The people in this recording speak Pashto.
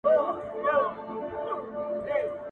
دا بیتونه مي په جمهوریت کي لیکلي و,